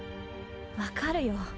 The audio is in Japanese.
分かるよ。